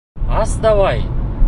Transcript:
Ас, давай!